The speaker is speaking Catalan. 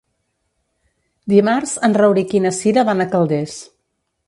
Dimarts en Rauric i na Cira van a Calders.